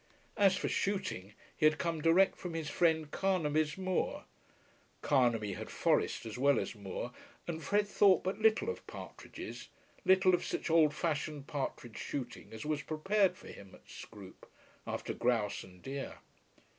As for shooting, he had come direct from his friend Carnaby's moor. Carnaby had forest as well as moor, and Fred thought but little of partridges, little of such old fashioned partridge shooting as was prepared for him at Scroope, after grouse and deer.